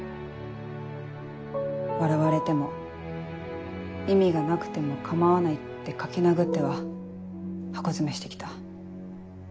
笑われても意味がなくても構わないって書き殴っては箱詰めして来た。